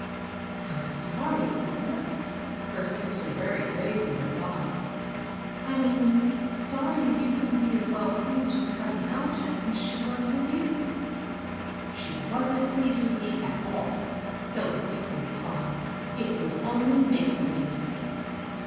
"I'm sorry, Hilda," her sister very gravely repKed. " I mean sorry that you couldn't be as (64) HILDA AND HER MYSTERY. 55 well pleas^l with cousin Algin as she was with you." " She wasn't pleased with me at all," Hilda quickly replied ;" it was only make believe."